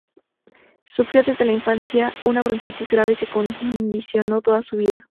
Sufrió desde la infancia una bronquitis grave que condicionó toda su vida.